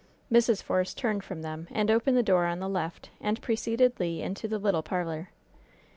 Mrs. Force turned from them and opened the door on the left and preceded Le into the little parlor.